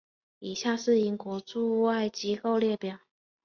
以下是英国驻外机构列表。